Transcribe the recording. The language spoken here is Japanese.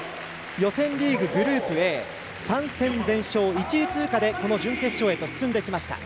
予選リーググループＡ３戦全勝、１位通過でこの準決勝へと進んできました。